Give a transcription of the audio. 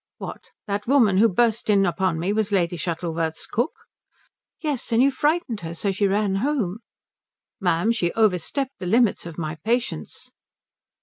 "What, that woman who burst in upon me was Lady Shuttleworth's cook?" "Yes. And you frightened her so she ran home." "Ma'am, she overstepped the limits of my patience."